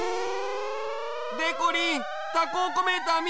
でこりんタコおこメーターみて！